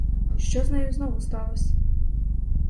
Що з нею знову сталось?!